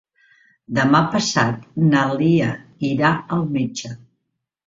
Demà passat na Lia irà al metge.